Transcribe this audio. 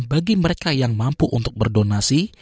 bagi mereka yang mampu untuk berdonasi